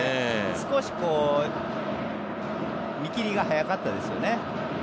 少し見切りが早かったですよね。